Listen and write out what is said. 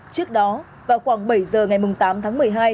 trước đó vào khoảng bảy giờ ngày tám tháng một mươi hai